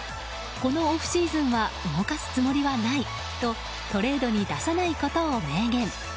このオフシーズンは動かすつもりはないとトレードに出さないことを明言。